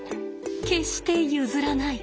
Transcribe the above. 決して譲らない。